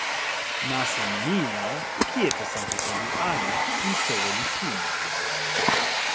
nasin mi la kijetesantakalu ale li soweli kin.